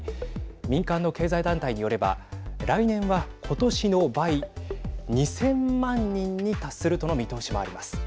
民間の経済団体によれば来年は今年の倍２０００万人に達するとの見通しもあります。